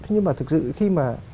nhưng mà thực sự khi mà